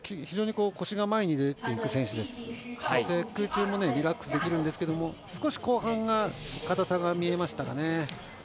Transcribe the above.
非常に腰が前に出ていく選手でそして空中もリラックスできるんですけど少し後半、硬さが見えましたかね。